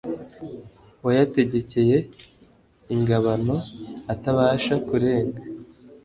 Wayategekeye ingabano atabasha kurenga